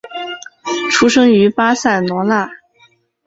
出生于巴塞罗那。